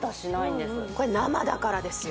これ生だからですよ